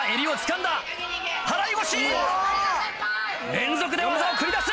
連続で技を繰り出す。